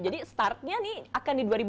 jadi startnya ini akan di dua ribu dua puluh tiga